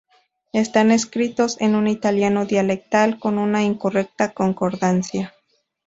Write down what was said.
Están escritos en un italiano dialectal con una incorrecta concordancia.